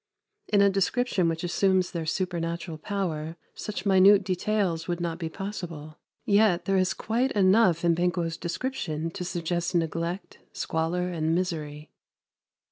In a description which assumes their supernatural power such minute details would not be possible; yet there is quite enough in Banquo's description to suggest neglect, squalor, and misery.